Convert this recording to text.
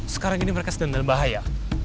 sekarang ini mereka sedang dalam bahaya